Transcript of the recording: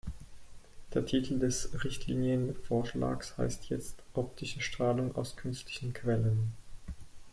Der Titel des Richtlinienvorschlages heißt jetzt "Optische Strahlung aus künstlichen Quellen".